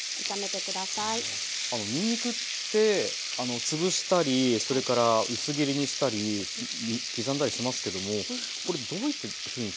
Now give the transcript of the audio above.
あのにんにくって潰したりそれから薄切りにしたり刻んだりしますけどもこれどういうふうに使い分けたらいいんですか？